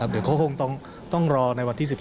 เดี๋ยวเขาคงต้องรอในวันที่๑๒